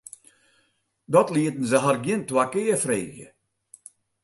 Dat lieten se har gjin twa kear freegje.